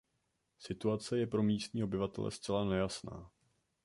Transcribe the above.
Situace je pro místní obyvatele zcela nejasná.